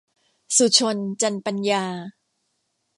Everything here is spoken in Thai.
สุชล จันปัญญา